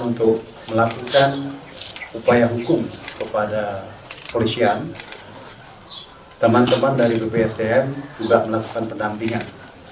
untuk melakukan upaya hukum kepada polisian teman teman dari bpsdm juga melakukan pendampingan